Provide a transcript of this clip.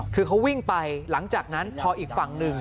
คือเขาวิ่งไปหลังจากนั้นพออีกฝั่งหนึ่ง